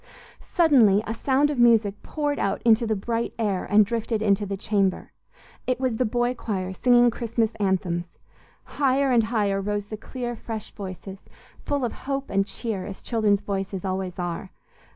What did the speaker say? Suddenly a sound of music poured out into the bright air and drifted into the chamber. It was the boy choir singing Christmas anthems. Higher and higher rose the clear, fresh voices, full of hope and cheer, as children's voices always are.